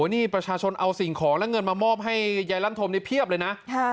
นี่ประชาชนเอาสิ่งของและเงินมามอบให้ยายลั่นธมนี่เพียบเลยนะ